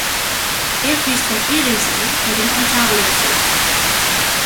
Er fließt vom Eriesee in den Ontariosee.